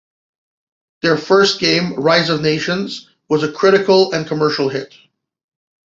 Their first game, "Rise of Nations", was a critical and commercial hit.